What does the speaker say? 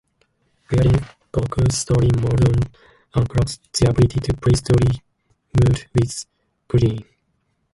Clearing Goku's Story Mode once unlocks the ability to play Story Mode with Krillin.